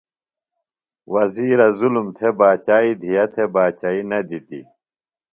وزیرہ ظلم تھےۡ باچائی دیہہ تھےۡ باچئی نہ دِتیۡ۔